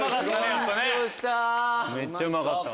めっちゃうまかったわ。